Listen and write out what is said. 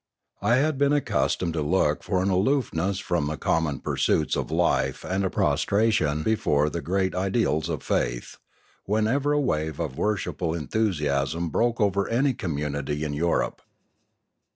I had been accustomed to look for an aloofness from the common pursuits of life and a prostration before the great ideals of faith, whenever a wave of worshipful enthusiasm broke over any community in Europe.